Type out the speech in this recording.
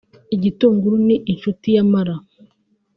Igitunguru ni inshuti y’amara